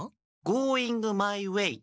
「ゴーイングマイウェイ」。